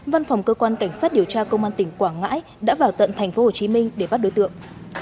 văn phòng cơ quan cảnh sát điều tra công an tỉnh quảng ngãi đã vào tận tp hcm để bắt đối tượng